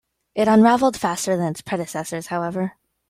It unraveled faster than its predecessors, however.